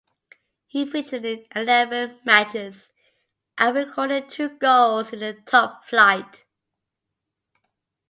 He featured in eleven matches and recorded two goals in the top flight.